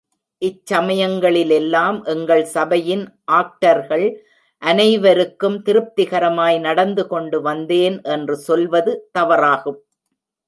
இச் சமயங்களிலெல்லாம், எங்கள் சபையின் ஆக்டர்கள் அனைவருக்கும் திருப்திகரமாய் நடந்துகொண்டு வந்தேன் என்று சொல்வது தவறாகும்.